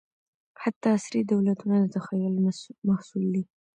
حتی عصري دولتونه د تخیل محصول دي.